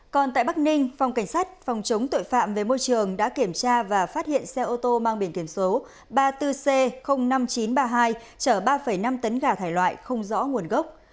còn tại bắc ninh phòng cảnh sát phòng chống tội phạm về môi trường đã kiểm tra và phát hiện xe ô tô mang biển kiểm số ba mươi bốn c năm nghìn chín trăm ba mươi hai chở ba năm tấn gà thải loại không rõ nguồn gốc